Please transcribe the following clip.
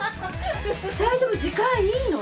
２人とも時間いいの？